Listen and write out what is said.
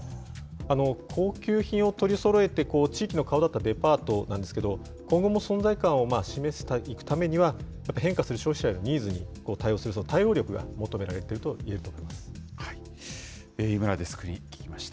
高級品を取りそろえて地域の顔だったデパートなんですけれども、今後も存在感を示すためには、やっぱり変化する消費者のニーズに対応する対応力が求められてい井村デスクに聞きました。